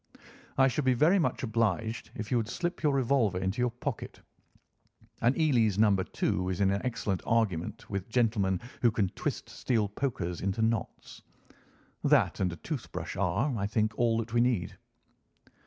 I should be very much obliged if you would slip your revolver into your pocket. An Eley's No. 2 is an excellent argument with gentlemen who can twist steel pokers into knots. That and a tooth brush are, I think, all that we need."